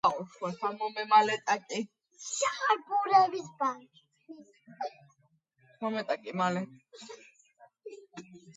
სექტემბრის ტრაგედიას პირდაპირ ასახავს ამერიკელი მხატვრის ელსვორთ კელის მიერ გამოფენაზე წარმოდგენილი ნიმუშები.